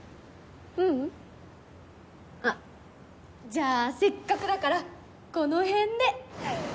ううん。あっじゃあせっかくだからこのへんで。